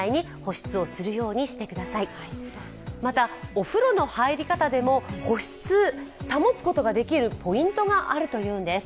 お風呂の入り方でも保湿、保つことができるポイントがあるというのです。